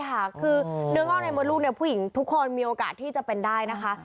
ใช่ค่ะคือเนื้องอกเนื้อหมดลูกเนี่ยผู้หญิงมีโอกาสที่จะเป็นได้นะคะ